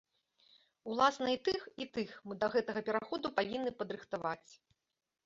Уласна і тых, і тых мы да гэтага пераходу павінны падрыхтаваць.